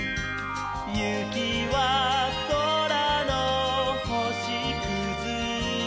「ゆきはそらのほしくず」